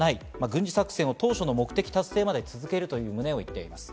軍事作戦を当初の目的達成まで続けるという旨を言っています。